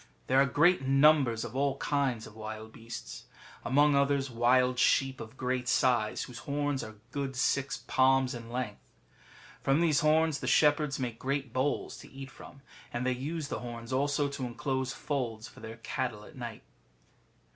There are great numbers of all kinds of wild beasts ; among others, wild sheep of great size, whose horns are good six palms in length. From these horns the shepherds make great bowls to eat from, and they use the horns also to enclose folds for their cattle at night.